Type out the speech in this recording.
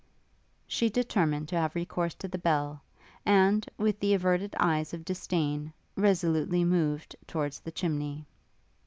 She determined to have recourse to the bell, and, with the averted eyes of disdain, resolutely moved towards the chimney.